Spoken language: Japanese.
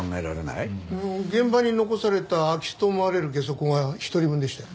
現場に残された空き巣と思われるゲソ痕は１人分でしたよ。